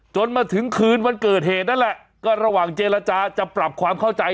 จนมาถึงคืนวันเกิดเหตุนั่นแหละก็ระหว่างเจรจาจะปรับความเข้าใจ